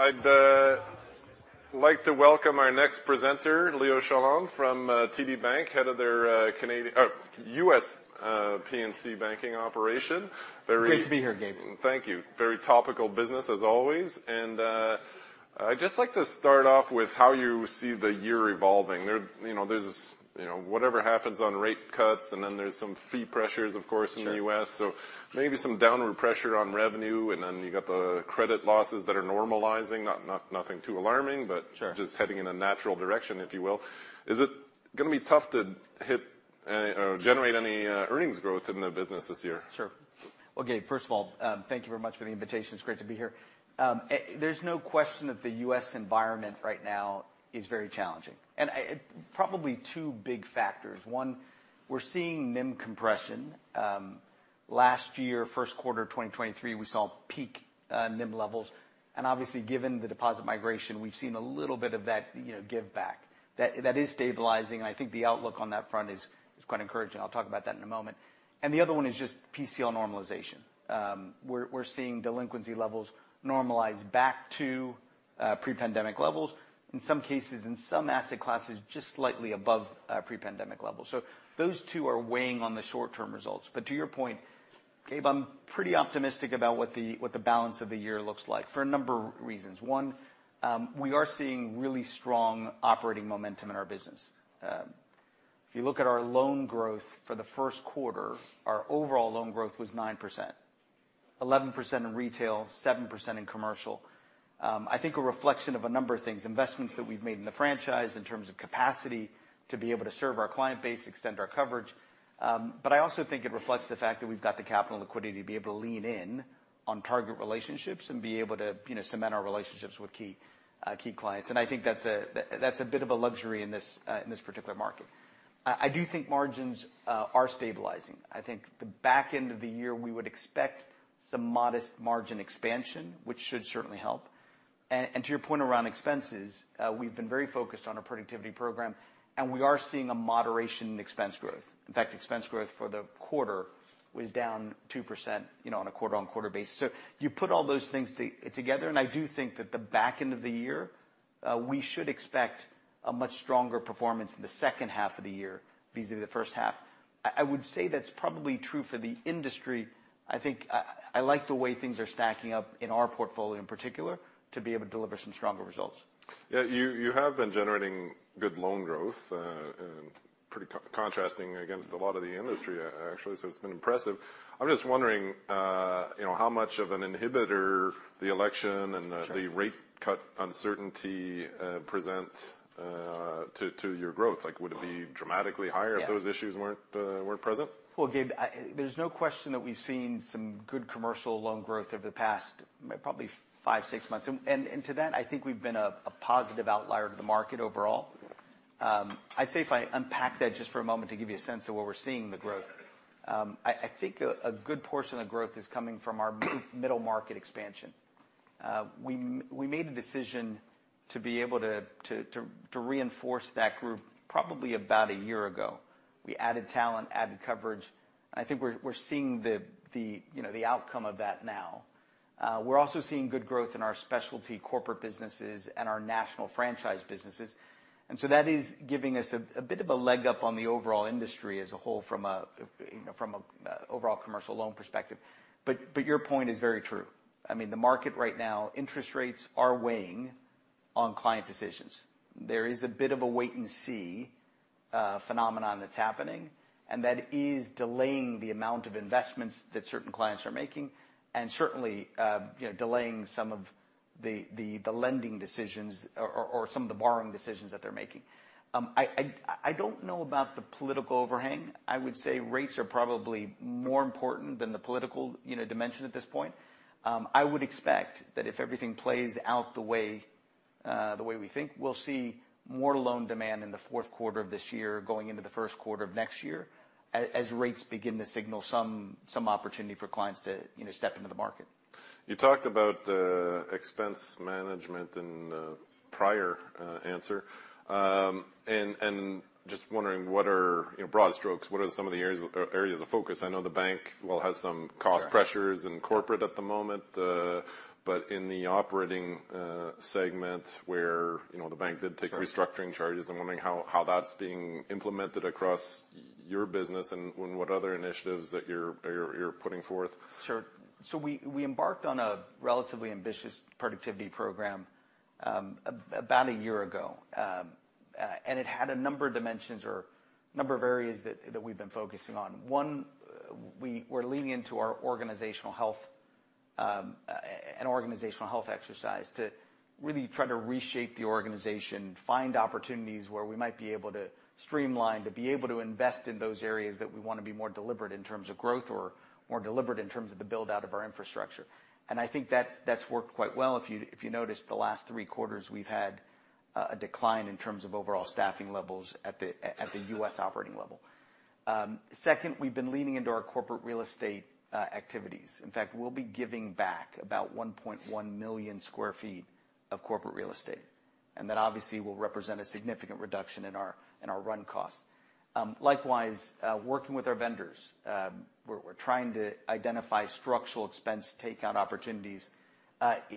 I'd like to welcome our next presenter, Leo Salom, from TD Bank, Head of their U.S. P&C banking operation. Very great to be here, Gabe. Thank you. Very topical business as always. I'd just like to start off with how you see the year evolving. There's whatever happens on rate cuts, and then there's some fee pressures, of course, in the U.S. So maybe some downward pressure on revenue, and then you've got the credit losses that are normalizing. Nothing too alarming, but just heading in a natural direction, if you will. Is it going to be tough to generate any earnings growth in the business this year? Sure. Well, Gabe, first of all, thank you very much for the invitation. It's great to be here. There's no question that the U.S. environment right now is very challenging. Probably two big factors. One, we're seeing NIM compression. Last year, first quarter of 2023, we saw peak NIM levels. Obviously, given the deposit migration, we've seen a little bit of that give back. That is stabilizing, and I think the outlook on that front is quite encouraging. I'll talk about that in a moment. The other one is just PCL normalization. We're seeing delinquency levels normalize back to pre-pandemic levels, in some cases, in some asset classes, just slightly above pre-pandemic levels. So those two are weighing on the short-term results. But to your point, Gabe, I'm pretty optimistic about what the balance of the year looks like for a number of reasons. One, we are seeing really strong operating momentum in our business. If you look at our loan growth for the first quarter, our overall loan growth was 9%, 11% in retail, 7% in commercial. I think a reflection of a number of things: investments that we've made in the franchise in terms of capacity to be able to serve our client base, extend our coverage. But I also think it reflects the fact that we've got the capital liquidity to be able to lean in on target relationships and be able to cement our relationships with key clients. And I think that's a bit of a luxury in this particular market. I do think margins are stabilizing. I think the back end of the year, we would expect some modest margin expansion, which should certainly help. To your point around expenses, we've been very focused on our productivity program, and we are seeing a moderation in expense growth. In fact, expense growth for the quarter was down 2% on a quarter-over-quarter basis. So you put all those things together, and I do think that the back end of the year, we should expect a much stronger performance in the second half of the year vis-a-vis the first half. I would say that's probably true for the industry. I think I like the way things are stacking up in our portfolio in particular to be able to deliver some stronger results. Yeah, you have been generating good loan growth, pretty contrasting against a lot of the industry, actually. So it's been impressive. I'm just wondering how much of an inhibitor the election and the rate cut uncertainty present to your growth. Would it be dramatically higher if those issues weren't present? Well, Gabe, there's no question that we've seen some good commercial loan growth over the past probably 5-6 months. And to that, I think we've been a positive outlier to the market overall. I'd say if I unpack that just for a moment to give you a sense of where we're seeing the growth, I think a good portion of the growth is coming from our middle market expansion. We made a decision to be able to reinforce that group probably about a year ago. We added talent, added coverage, and I think we're seeing the outcome of that now. We're also seeing good growth in our specialty corporate businesses and our national franchise businesses. And so that is giving us a bit of a leg up on the overall industry as a whole from an overall commercial loan perspective. But your point is very true. I mean, the market right now, interest rates are weighing on client decisions. There is a bit of a wait-and-see phenomenon that's happening, and that is delaying the amount of investments that certain clients are making and certainly delaying some of the lending decisions or some of the borrowing decisions that they're making. I don't know about the political overhang. I would say rates are probably more important than the political dimension at this point. I would expect that if everything plays out the way we think, we'll see more loan demand in the fourth quarter of this year going into the first quarter of next year as rates begin to signal some opportunity for clients to step into the market. You talked about expense management in the prior answer. Just wondering, in broad strokes, what are some of the areas of focus? I know the bank, well, has some cost pressures in corporate at the moment, but in the operating segment where the bank did take restructuring charges, I'm wondering how that's being implemented across your business and what other initiatives that you're putting forth? Sure. So we embarked on a relatively ambitious productivity program about a year ago, and it had a number of dimensions or a number of areas that we've been focusing on. One, we're leaning into our organizational health and organizational health exercise to really try to reshape the organization, find opportunities where we might be able to streamline, to be able to invest in those areas that we want to be more deliberate in terms of growth or more deliberate in terms of the build-out of our infrastructure. And I think that's worked quite well if you noticed the last three quarters, we've had a decline in terms of overall staffing levels at the U.S. operating level. Second, we've been leaning into our corporate real estate activities. In fact, we'll be giving back about 1.1 million sq ft of corporate real estate, and that obviously will represent a significant reduction in our run costs. Likewise, working with our vendors, we're trying to identify structural expense takeout opportunities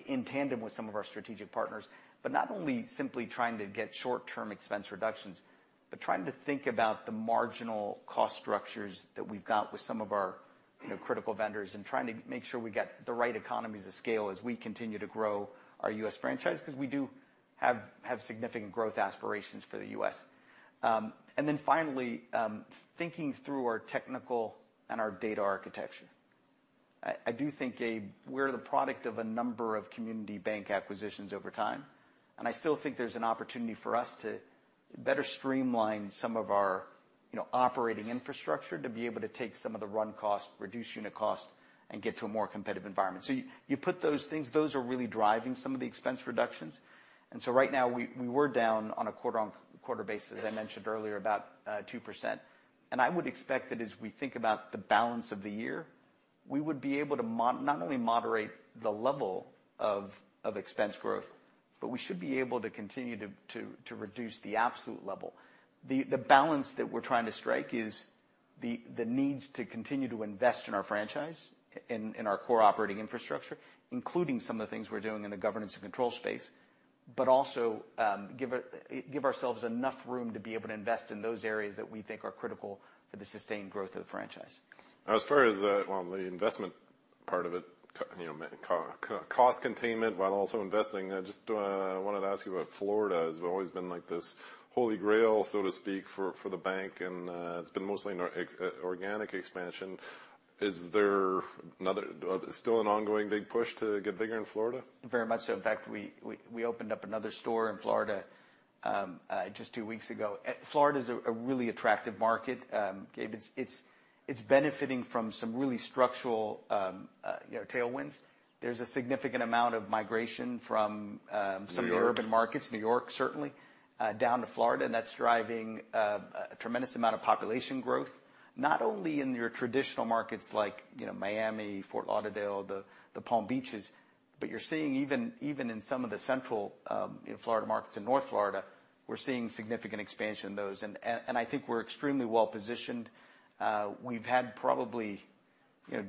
in tandem with some of our strategic partners, but not only simply trying to get short-term expense reductions, but trying to think about the marginal cost structures that we've got with some of our critical vendors and trying to make sure we get the right economies of scale as we continue to grow our U.S. franchise because we do have significant growth aspirations for the U.S. And then finally, thinking through our technical and our data architecture. I do think, Gabe, we're the product of a number of community bank acquisitions over time, and I still think there's an opportunity for us to better streamline some of our operating infrastructure to be able to take some of the run cost, reduce unit cost, and get to a more competitive environment. So you put those things. Those are really driving some of the expense reductions. And so right now, we were down on a quarter-on-quarter basis, as I mentioned earlier, about 2%. And I would expect that as we think about the balance of the year, we would be able to not only moderate the level of expense growth, but we should be able to continue to reduce the absolute level. The balance that we're trying to strike is the needs to continue to invest in our franchise, in our core operating infrastructure, including some of the things we're doing in the governance and control space, but also give ourselves enough room to be able to invest in those areas that we think are critical for the sustained growth of the franchise. As far as the investment part of it, cost containment while also investing, I just wanted to ask you about Florida. It's always been this holy grail, so to speak, for the bank, and it's been mostly organic expansion. Is there still an ongoing big push to get bigger in Florida? Very much so. In fact, we opened up another store in Florida just two weeks ago. Florida is a really attractive market, Gabe. It's benefiting from some really structural tailwinds. There's a significant amount of migration from some of the urban markets, New York, certainly, down to Florida, and that's driving a tremendous amount of population growth, not only in your traditional markets like Miami, Fort Lauderdale, the Palm Beaches, but you're seeing even in some of the Central Florida markets in North Florida, we're seeing significant expansion in those. And I think we're extremely well-positioned. We've had probably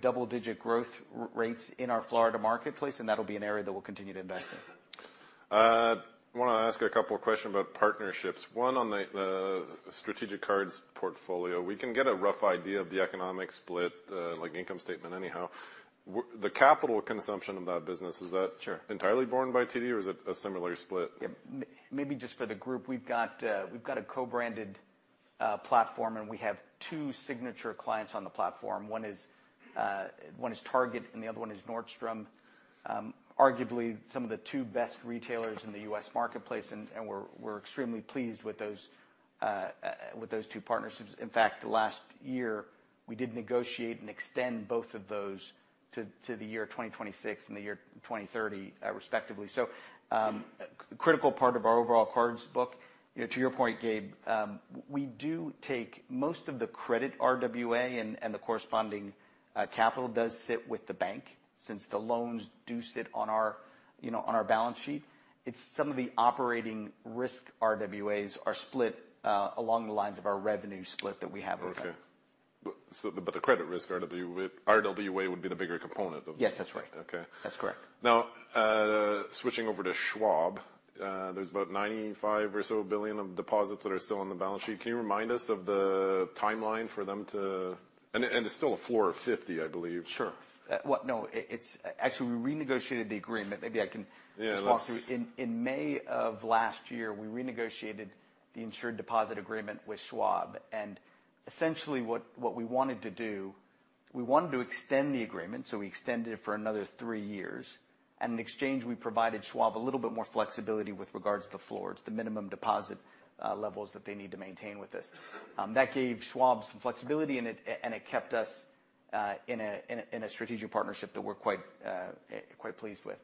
double-digit growth rates in our Florida marketplace, and that'll be an area that we'll continue to invest in. I want to ask a couple of questions about partnerships. One on the strategic cards portfolio. We can get a rough idea of the economic split, like income statement anyhow. The capital consumption of that business, is that entirely borne by TD, or is it a similar split? Yeah. Maybe just for the group, we've got a co-branded platform, and we have two signature clients on the platform. One is Target, and the other one is Nordstrom, arguably some of the two best retailers in the U.S. marketplace, and we're extremely pleased with those two partnerships. In fact, last year, we did negotiate and extend both of those to the year 2026 and the year 2030, respectively. So a critical part of our overall cards book, to your point, Gabe, we do take most of the credit RWA, and the corresponding capital does sit with the bank since the loans do sit on our balance sheet. Some of the operating risk RWAs are split along the lines of our revenue split that we have over time. Okay. But the credit risk RWA would be the bigger component of the. Yes, that's right. That's correct. Now, switching over to Schwab, there's about $95 billion or so of deposits that are still on the balance sheet. Can you remind us of the timeline for them to and it's still a floor of $50 billion, I believe. Sure. No, actually, we renegotiated the agreement. Maybe I can just walk through. In May of last year, we renegotiated the insured deposit agreement with Schwab. Essentially, what we wanted to do, we wanted to extend the agreement, so we extended it for another three years. In exchange, we provided Schwab a little bit more flexibility with regards to the floors, the minimum deposit levels that they need to maintain with us. That gave Schwab some flexibility, and it kept us in a strategic partnership that we're quite pleased with.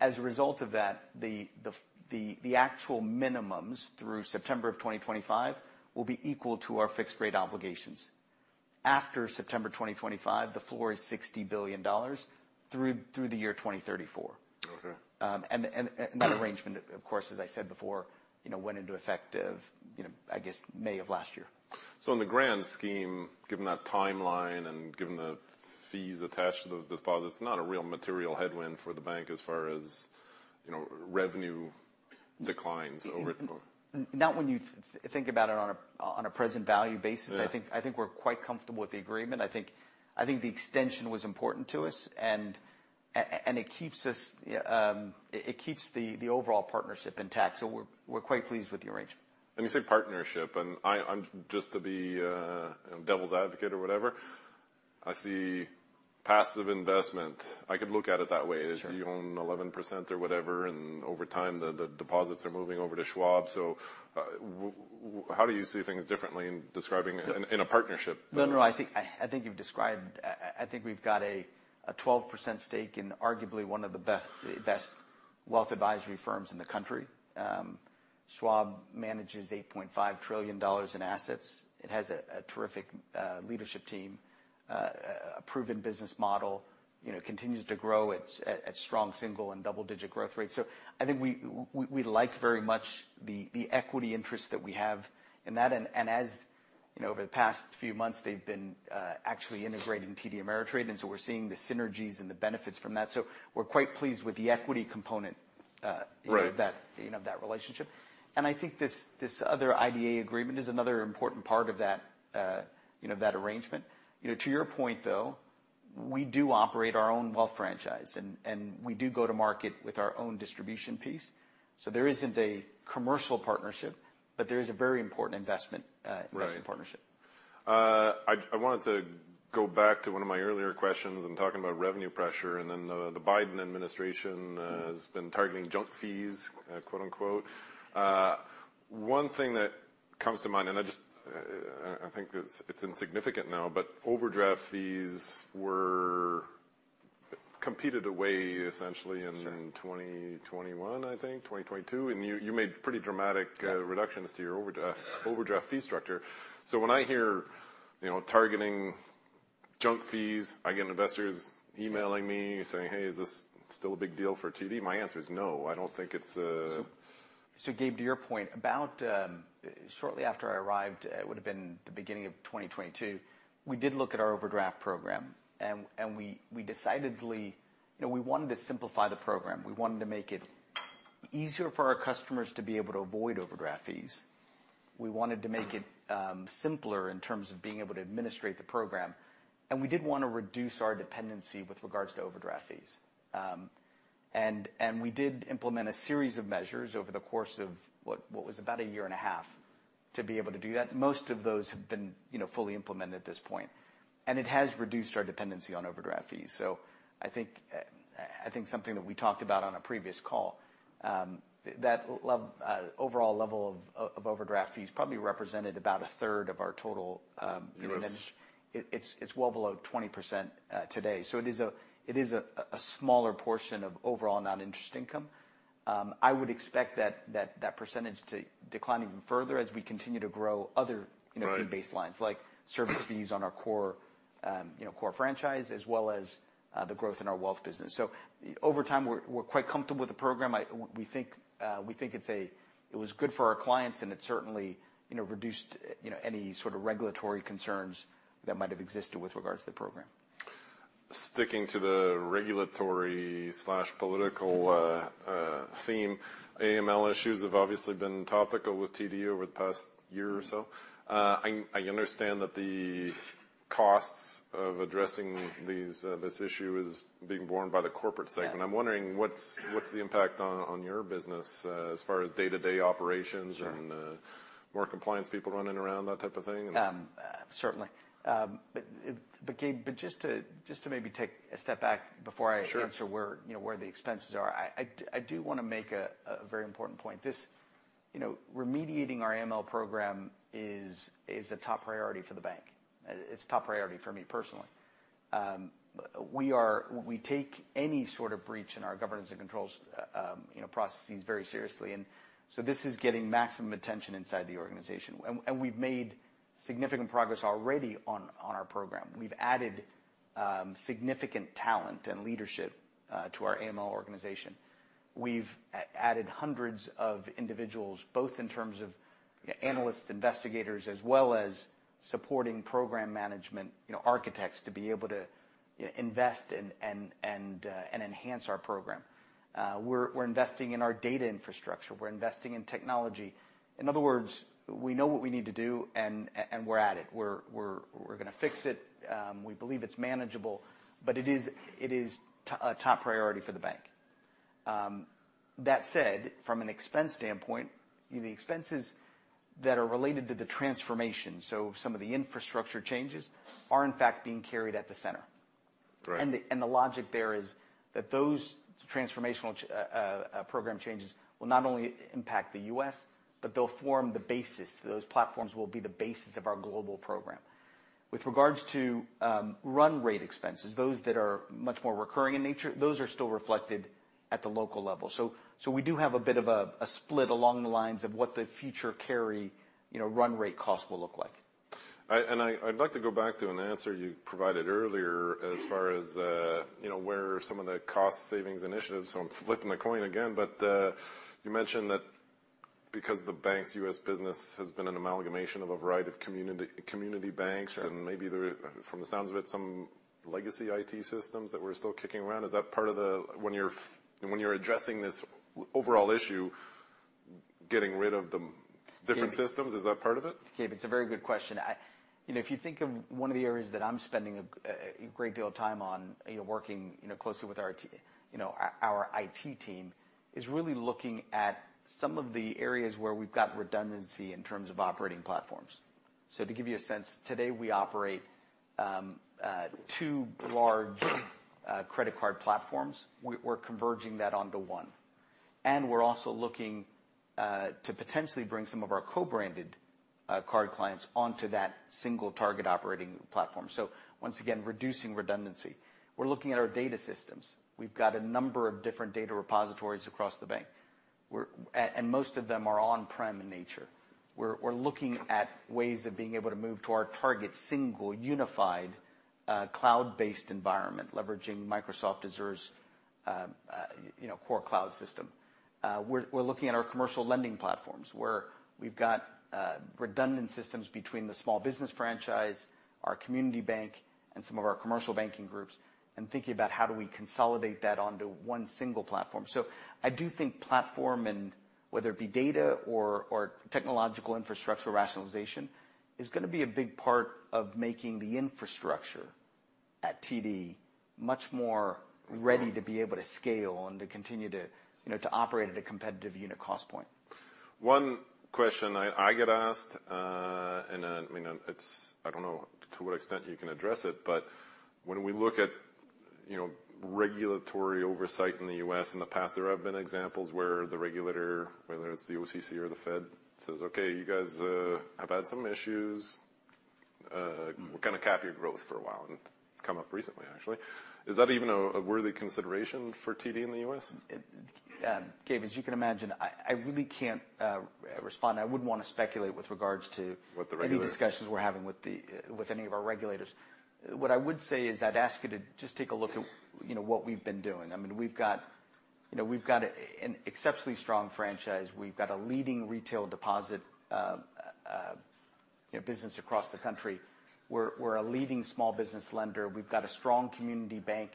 As a result of that, the actual minimums through September of 2025 will be equal to our fixed-rate obligations. After September 2025, the floor is $60 billion through the year 2034. That arrangement, of course, as I said before, went into effect of, I guess, May of last year. In the grand scheme, given that timeline and given the fees attached to those deposits, not a real material headwind for the bank as far as revenue declines over. Not when you think about it on a present value basis. I think we're quite comfortable with the agreement. I think the extension was important to us, and it keeps the overall partnership intact. So we're quite pleased with the arrangement. You say partnership, and just to be devil's advocate or whatever, I see passive investment. I could look at it that way. You own 11% or whatever, and over time, the deposits are moving over to Schwab. So how do you see things differently in a partnership? No, no, no. I think you've described I think we've got a 12% stake in arguably one of the best wealth advisory firms in the country. Schwab manages $8.5 trillion in assets. It has a terrific leadership team, a proven business model, continues to grow at strong single and double-digit growth rates. So I think we like very much the equity interest that we have in that. And over the past few months, they've been actually integrating TD Ameritrade, and so we're seeing the synergies and the benefits from that. So we're quite pleased with the equity component of that relationship. And I think this other IDA agreement is another important part of that arrangement. To your point, though, we do operate our own wealth franchise, and we do go to market with our own distribution piece. There isn't a commercial partnership, but there is a very important investment partnership. Right. I wanted to go back to one of my earlier questions and talking about revenue pressure, and then the Biden administration has been targeting "junk fees," quote-unquote. One thing that comes to mind, and I think it's insignificant now, but overdraft fees competed away, essentially, in 2021, I think, 2022, and you made pretty dramatic reductions to your overdraft fee structure. So when I hear targeting junk fees, I get investors emailing me saying, "Hey, is this still a big deal for TD?" My answer is no. I don't think it's a. So, Gabe, to your point, shortly after I arrived, it would have been the beginning of 2022, we did look at our overdraft program, and we decidedly wanted to simplify the program. We wanted to make it easier for our customers to be able to avoid overdraft fees. We wanted to make it simpler in terms of being able to administrate the program, and we did want to reduce our dependency with regards to overdraft fees. We did implement a series of measures over the course of what was about a year and a half to be able to do that. Most of those have been fully implemented at this point, and it has reduced our dependency on overdraft fees. So I think something that we talked about on a previous call, that overall level of overdraft fees probably represented about a third of our total. It is. It's well below 20% today. It is a smaller portion of overall non-interest income. I would expect that percentage to decline even further as we continue to grow other key baselines, like service fees on our core franchise as well as the growth in our wealth business. Over time, we're quite comfortable with the program. We think it was good for our clients, and it certainly reduced any sort of regulatory concerns that might have existed with regards to the program. Sticking to the regulatory/political theme, AML issues have obviously been topical with TD over the past year or so. I understand that the costs of addressing this issue are being borne by the corporate segment. I'm wondering, what's the impact on your business as far as day-to-day operations and more compliance people running around, that type of thing? Certainly. But, Gabe, just to maybe take a step back before I answer where the expenses are, I do want to make a very important point. Remediating our AML program is a top priority for the bank. It's a top priority for me personally. We take any sort of breach in our governance and control processes very seriously. And so this is getting maximum attention inside the organization, and we've made significant progress already on our program. We've added significant talent and leadership to our AML organization. We've added hundreds of individuals, both in terms of analysts, investigators, as well as supporting program management architects to be able to invest and enhance our program. We're investing in our data infrastructure. We're investing in technology. In other words, we know what we need to do, and we're at it. We're going to fix it. We believe it's manageable, but it is a top priority for the bank. That said, from an expense standpoint, the expenses that are related to the transformation, so some of the infrastructure changes, are, in fact, being carried at the center. The logic there is that those transformational program changes will not only impact the U.S., but they'll form the basis. Those platforms will be the basis of our global program. With regards to run-rate expenses, those that are much more recurring in nature, those are still reflected at the local level. We do have a bit of a split along the lines of what the future carry run-rate cost will look like. I'd like to go back to an answer you provided earlier as far as where some of the cost savings initiatives, so I'm flipping the coin again. But you mentioned that because the bank's U.S. business has been an amalgamation of a variety of community banks, and maybe from the sounds of it, some legacy IT systems that were still kicking around, is that part of the when you're addressing this overall issue, getting rid of the different systems, is that part of it? Gabe, it's a very good question. If you think of one of the areas that I'm spending a great deal of time on working closely with our IT team is really looking at some of the areas where we've got redundancy in terms of operating platforms. So to give you a sense, today we operate two large credit card platforms. We're converging that onto one. And we're also looking to potentially bring some of our co-branded card clients onto that single target operating platform. So once again, reducing redundancy. We're looking at our data systems. We've got a number of different data repositories across the bank, and most of them are on-prem in nature. We're looking at ways of being able to move to our target single, unified, cloud-based environment, leveraging Microsoft Azure's core cloud system. We're looking at our commercial lending platforms where we've got redundant systems between the small business franchise, our community bank, and some of our commercial banking groups, and thinking about how do we consolidate that onto one single platform. So I do think platform, and whether it be data or technological infrastructure rationalization, is going to be a big part of making the infrastructure at TD much more ready to be able to scale and to continue to operate at a competitive unit cost point. One question I get asked, and I don't know to what extent you can address it, but when we look at regulatory oversight in the U.S., in the past, there have been examples where the regulator, whether it's the OCC or the Fed, says, "Okay, you guys have had some issues. We're going to cap your growth for a while," and it's come up recently, actually. Is that even a worthy consideration for TD in the U.S.? Gabe, as you can imagine, I really can't respond. I wouldn't want to speculate with regards to any discussions we're having with any of our regulators. What I would say is I'd ask you to just take a look at what we've been doing. I mean, we've got an exceptionally strong franchise. We've got a leading retail deposit business across the country. We're a leading small business lender. We've got a strong community bank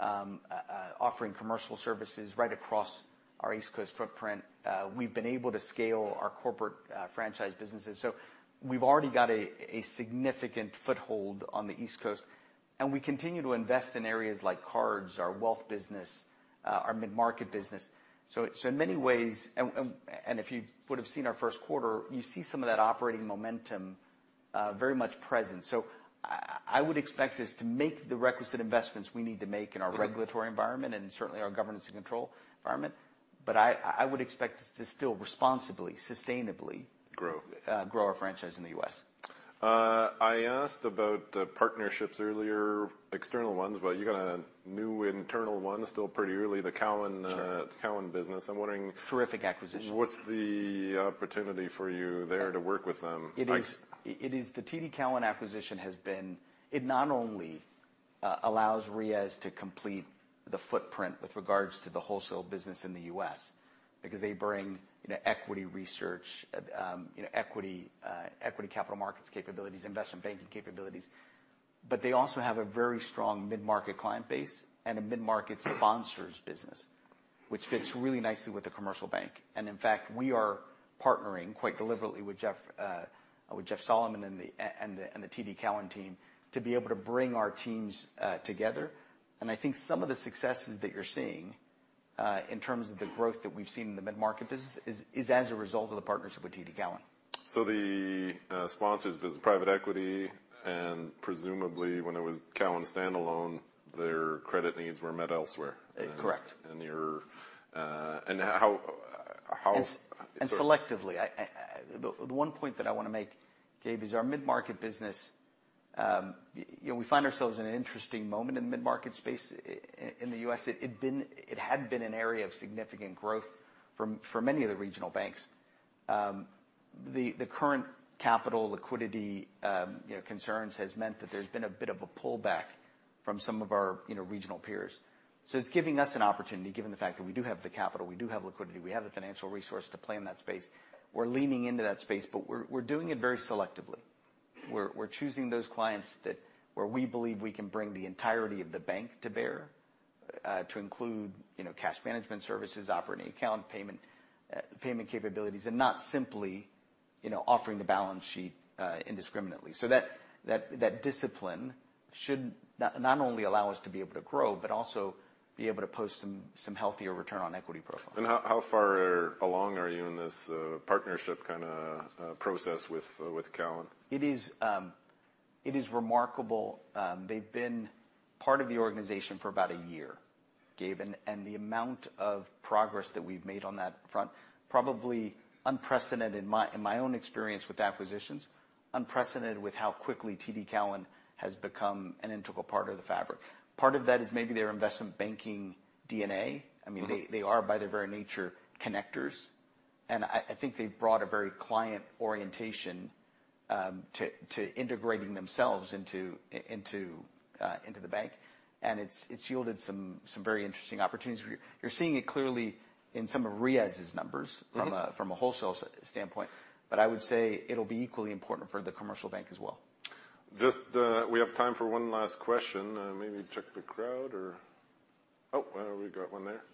offering commercial services right across our East Coast footprint. We've been able to scale our corporate franchise businesses. So we've already got a significant foothold on the East Coast, and we continue to invest in areas like cards, our wealth business, our mid-market business. So in many ways and if you would have seen our first quarter, you see some of that operating momentum very much present. I would expect us to make the requisite investments we need to make in our regulatory environment and certainly our governance and control environment, but I would expect us to still responsibly, sustainably grow our franchise in the U.S. I asked about partnerships earlier, external ones, but you got a new internal one still pretty early, the Cowen business. I'm wondering. Terrific acquisition. What's the opportunity for you there to work with them? It is. The TD Cowen acquisition has been. It not only allows Riaz to complete the footprint with regards to the wholesale business in the U.S. because they bring equity research, equity capital markets capabilities, investment banking capabilities, but they also have a very strong mid-market client base and a mid-market sponsors business, which fits really nicely with the commercial bank. In fact, we are partnering quite deliberately with Jeff Solomon and the TD Cowen team to be able to bring our teams together. I think some of the successes that you're seeing in terms of the growth that we've seen in the mid-market business is as a result of the partnership with TD Cowen. The sponsors business. Private equity, and presumably, when it was Cowen standalone, their credit needs were met elsewhere. Correct. And how. Selectively. The one point that I want to make, Gabe, is our mid-market business we find ourselves in an interesting moment in the mid-market space in the U.S. It had been an area of significant growth for many of the regional banks. The current capital liquidity concerns have meant that there's been a bit of a pullback from some of our regional peers. So it's giving us an opportunity, given the fact that we do have the capital, we do have liquidity, we have the financial resource to play in that space. We're leaning into that space, but we're doing it very selectively. We're choosing those clients where we believe we can bring the entirety of the bank to bear, to include cash management services, operating account payment capabilities, and not simply offering the balance sheet indiscriminately. That discipline should not only allow us to be able to grow but also be able to post some healthier return on equity profile. How far along are you in this partnership kind of process with Cowen? It is remarkable. They've been part of the organization for about a year, Gabe, and the amount of progress that we've made on that front, probably unprecedented in my own experience with acquisitions, unprecedented with how quickly TD Cowen has become an integral part of the fabric. Part of that is maybe their investment banking DNA. I mean, they are, by their very nature, connectors, and I think they've brought a very client orientation to integrating themselves into the bank, and it's yielded some very interesting opportunities. You're seeing it clearly in some of Riaz's numbers from a wholesale standpoint, but I would say it'll be equally important for the commercial bank as well. We have time for one last question. Maybe check the crowd, or oh, we got one there.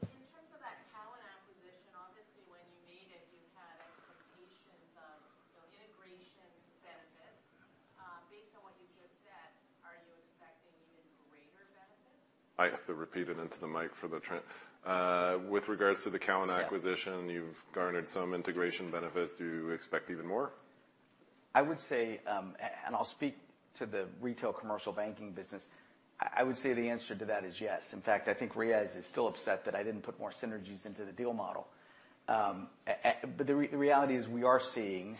In terms of that Cowen acquisition, obviously, when you made it, you had expectations of integration benefits. Based on what you just said, are you expecting even greater benefits? I have to repeat it into the mic. With regards to the Cowen acquisition, you've garnered some integration benefits. Do you expect even more? I would say, and I'll speak to the retail commercial banking business, I would say the answer to that is yes. In fact, I think Riaz is still upset that I didn't put more synergies into the deal model. But the reality is we are seeing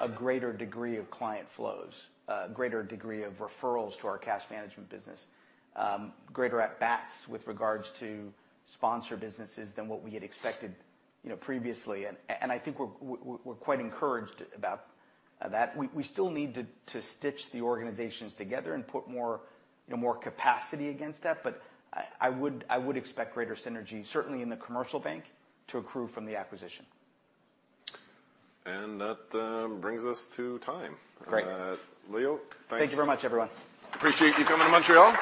a greater degree of client flows, a greater degree of referrals to our cash management business, greater at-bats with regards to sponsor businesses than what we had expected previously. And I think we're quite encouraged about that. We still need to stitch the organizations together and put more capacity against that, but I would expect greater synergy, certainly in the commercial bank, to accrue from the acquisition. That brings us to time. Leo, thanks. Thank you very much, everyone. Appreciate you coming to Montreal.